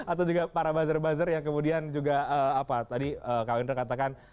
atau juga para buzzer buzzer yang kemudian juga apa tadi kak wendra katakan